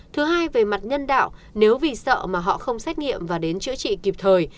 thứ hai về mặt nhân đạo nếu vì sợ mà họ không xét nghiệm và đến chữa trị kịp thời